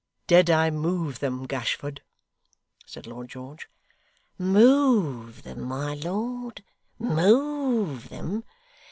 'Did I move them, Gashford?' said Lord George. 'Move them, my lord! Move them!